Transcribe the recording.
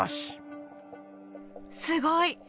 すごい！